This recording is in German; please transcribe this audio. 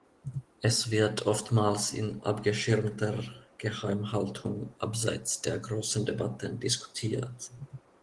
Es wird oftmals in abgeschirmter Geheimhaltung abseits der großen Debatten diskutiert.